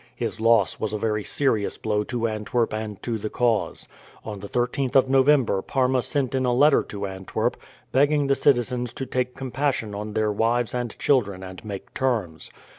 His loss was a very serious blow to Antwerp and to the cause. On the 13th of November Parma sent in a letter to Antwerp, begging the citizens to take compassion on their wives and children and make terms.